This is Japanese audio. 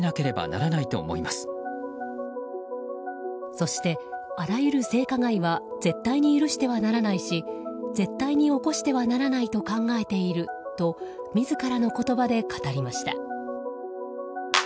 そして、あらゆる性加害は絶対に許してはならないし絶対に起こしてはならないと考えていると自らの言葉で語りました。